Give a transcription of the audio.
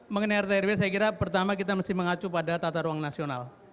mengenai rtrw saya kira pertama kita mesti mengacu pada tata ruang nasional